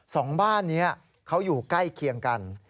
สองบ้านนี้เขาอยู่ใกล้เคียงกัน